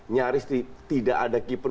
nyaris tidak ada keeper